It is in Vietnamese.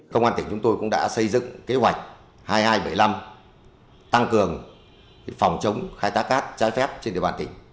công an tỉnh chúng tôi cũng đã xây dựng kế hoạch hai nghìn hai trăm bảy mươi năm tăng cường phòng chống khai thác cát trái phép trên địa bàn tỉnh